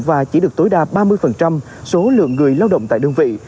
và chỉ được tối đa ba mươi số lượng người lao động tại đơn vị